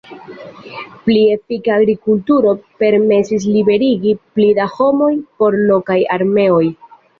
Pli efika agrikulturo permesis liberigi pli da homoj por lokaj armeoj.